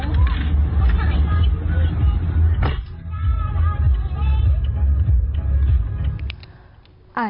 เปล่า